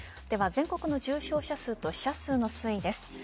では、全国の重症者数と死者数の推移です。